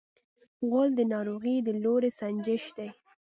غول د ناروغۍ د لوری سنجش دی.